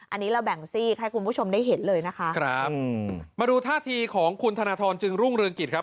อันนี้เราแบ่งซีกให้คุณผู้ชมได้เห็นเลยนะคะครับมาดูท่าทีของคุณธนทรจึงรุ่งเรืองกิจครับ